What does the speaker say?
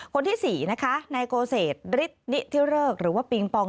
คนที่สี่นะคะนายโกเศษดริดดิที่เริกหรือว่าปิงปอง